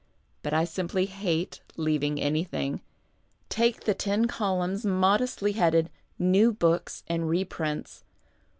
But I simply hate leaving anything. Take the ten columns modestly headed " New Books and Reprints."